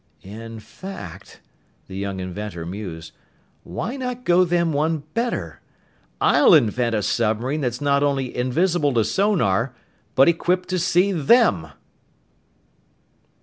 "In fact," the young inventor mused, "why not go them one better? I'll invent a submarine that's not only invisible to sonar, but equipped to see them!"